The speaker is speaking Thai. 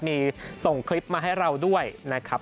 มีส่งคลิปมาให้เราด้วยนะครับ